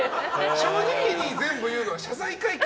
正直に全部言うのは謝罪会見。